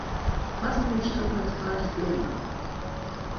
Pazvanīšu tev pēc pāris dienām.